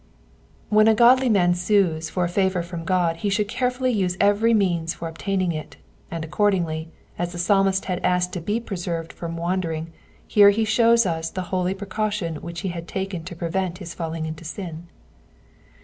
When a godly man sues for a favour from God he should carefully use every means for obtaining it, and accordingly, as the Psalmist had asked to be preserved from wanderiuK, he here shows us the holy precaution which he had taken to prevent his falling into sin.